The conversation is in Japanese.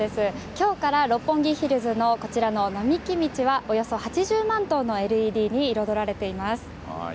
今日から六本木ヒルズのこちらの並木道はおよそ８０万灯のＬＥＤに彩られています。